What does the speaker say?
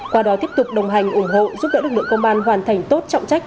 qua đó tiếp tục đồng hành ủng hộ giúp đỡ lực lượng công an hoàn thành tốt trọng trách